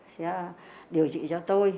sẽ điều trị cho tôi